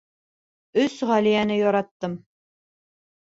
Өс Ғәлиәне яраттым.